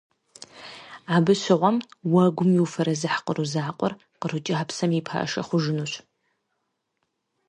Абы щыгъуэм уэгум иуфэрэзыхь Къру Закъуэр къру кӏапсэм и пашэ хъужынущ.